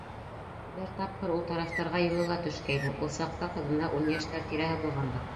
Бер тапҡыр ул тарафтарға юлы ла төшкәйне, ул саҡта ҡыҙына ун йәштәр тирәһе булғандыр.